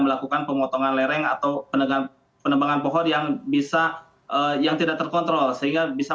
melakukan pemotongan lereng atau penembangan pohon yang tidak terkontrol sehingga bisa